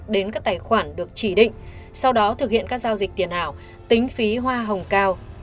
đến các tài khoản được chỉ định sau đó thực hiện các giao dịch tiền ảo tính phí hoa hồng cao